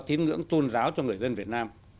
tiến ngưỡng tôn giáo cho người dân việt nam